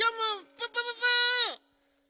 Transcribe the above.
プップププ！